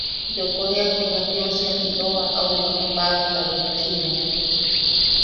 Yokoriapo bea jiʼosiam itou aʼauwa pagota betchiʼibo.